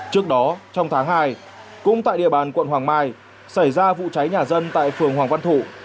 trước đó trong tháng hai cũng tại địa bàn quận hoàng mai xảy ra vụ cháy nhà dân tại phường hoàng văn thụ